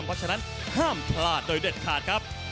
เพราะฉะนั้นห้ามพลาดโดยเด็ดขาดครับ